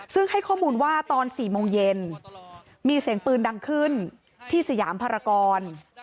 ซึ่งให้ข้อมูลว่าตอน๔โมงเย็นมีเสียงปืนดังขึ้นที่สยามภารกร